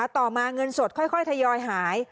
ต่อมาเงินสดค่อยทยอยหาย